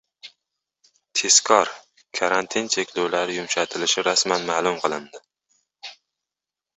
Tezkor! Karantin cheklovlari yumshatilishi rasman ma’lum qilindi